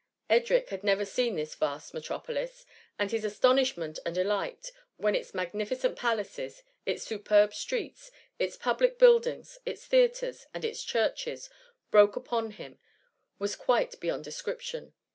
Edric had never seen this vast metropolis, and his astonishment and delight, when its magnificent palaces, it& superb streets, its public buildings, its theatres, and its churches, broke upon him, was quite beyond description.